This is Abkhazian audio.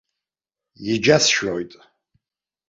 Иџьасшьоит.